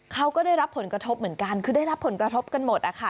เขาก็ได้รับผลกระทบเหมือนกันคือได้รับผลกระทบกันหมดนะคะ